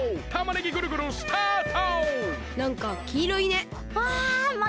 たまねぎぐるぐるスタート！